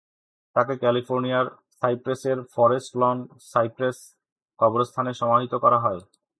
তাকে ক্যালিফোর্নিয়ার সাইপ্রেসের forest loan cypress কবরস্থানে সমাহিত করা হয়।